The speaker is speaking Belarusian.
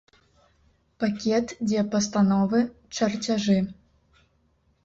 Пакет, дзе пастановы, чарцяжы.